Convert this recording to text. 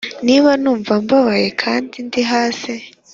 niba numva mbabaye kandi ndi hasi,